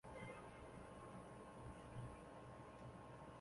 电子控制单元有时也被称作节点。